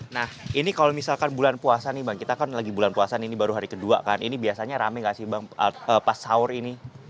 nah ini kalau misalkan bulan puasa nih bang kita kan lagi bulan puasa ini baru hari kedua kan ini biasanya rame gak sih bang pas sahur ini